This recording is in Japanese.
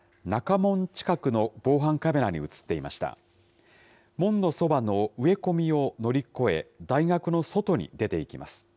門のそばの植え込みを乗り越え、大学の外に出ていきます。